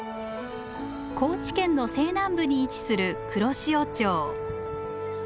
高知県の西南部に位置する黒潮町。